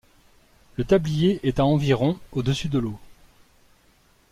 Le tablier est à environ au-dessus de l'eau.